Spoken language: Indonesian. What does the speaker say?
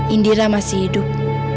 indira masih hidup